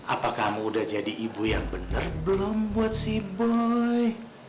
apakah kamu udah jadi ibu yang benar belum buat si boy